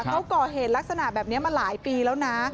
เขาก่อเหตุลักษณะแบบนี้มาหลายปีแล้วนะ